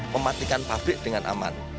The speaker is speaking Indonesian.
mematikan pabrik dengan aman